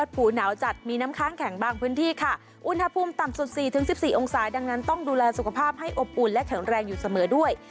อบอุ่นและแข็งแรงอยู่เสมอด้วย